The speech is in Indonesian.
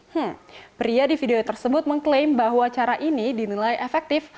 hmm pria di video tersebut mengklaim bahwa cara ini dinilai efektif